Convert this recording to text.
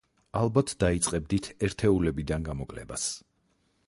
ალბათ დაიწყებდით ერთეულებიდან გამოკლებას.